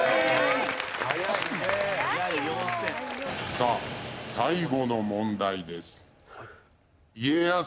さあ最後の問題です。